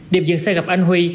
điệp dừng xe gặp anh huy